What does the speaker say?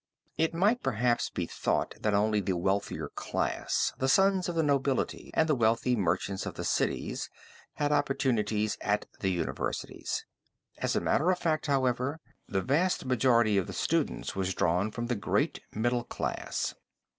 It might perhaps be thought that only the wealthier class, the sons of the nobility and of the wealthy merchants of the cities had opportunities at the universities. As a matter of fact, however, the vast majority of the students was drawn from the great middle class.